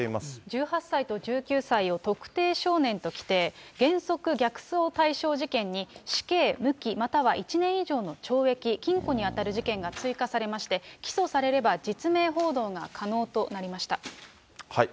１８歳と１９歳を特定少年と規定、原則、逆送対象事件に死刑、無期、また１年以上の懲役・禁錮に当たる事件が追加されまして、起訴されれば、実名報道が可能となりました。